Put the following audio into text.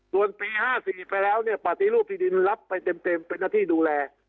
ส่วนปี๕๔ไปแล้วเนี่ยปฏิรูปที่ดินรับไปเต็มเป็นหน้าที่ดูแล